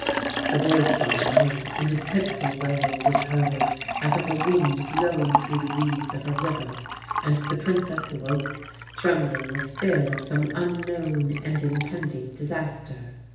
"The voice died away, and a pitiful wail was heard as of a wind blowing through the reeds of a river. And the Princess awoke, trembling with fear of some unknown and impending disaster.